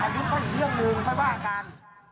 อายุก็อย่างเดียวนึงไม่ว่ากัน